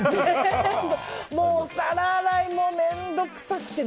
もう、皿洗いも面倒くさくて。